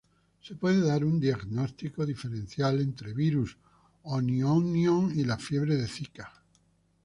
Se puede dar un diagnóstico diferencial entre virus o’nyong’nyong y la fiebre de Zika.